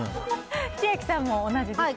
千秋さんも同じですね。